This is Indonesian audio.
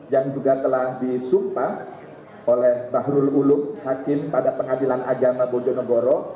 yang juga telah disumpah oleh bahrul uluk hakim pada pengadilan agama bojonegoro